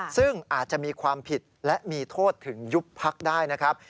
ซึ่งอาจจะมีความผิดและมีโทษถึงยุบพักได้นะครับ